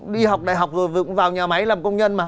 đi học đại học rồi cũng vào nhà máy làm công nhân mà